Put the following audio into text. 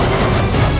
aku akan menangkapmu